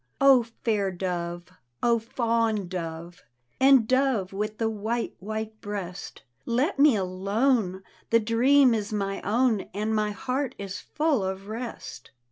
O fair dove! O fond dove I And dove with the white, white breast, Let me alone, the dream is my own, And my heart is full of rest.